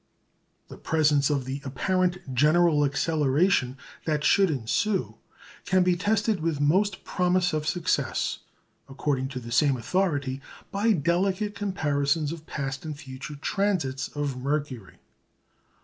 The presence of the apparent general acceleration that should ensue can be tested with most promise of success, according to the same authority, by delicate comparisons of past and future transits of Mercury.